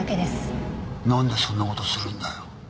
なんでそんな事するんだよ。